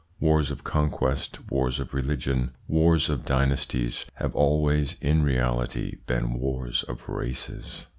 Wars of conquest, wars of religion, wars of dynasties, have always in reality been wars of races.